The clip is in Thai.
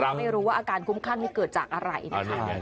ไม่รู้ว่าอาการคุ้มคลั่งนี่เกิดจากอะไรนะคะ